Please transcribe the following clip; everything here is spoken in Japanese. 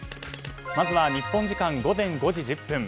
まずは日本時間午前５時１０分。